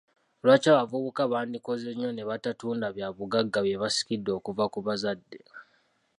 Lwaki abavubuka bandikoze nnyo ne batatunda byabugagga bye basikidde okuva ku bazadde?